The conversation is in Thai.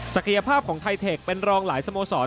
ยภาพของไทเทคเป็นรองหลายสโมสร